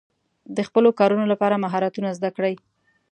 د خپلو کارونو لپاره مهارتونه زده کړئ.